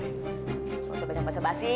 jangan sampai sampai sepasi